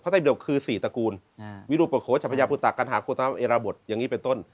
พระสัยปิดกคือ๔ตระกูลวิรุปโขศชะพญาปุตตะกัณหาโคตรฯและระบดอย่างนี้เป็นต้น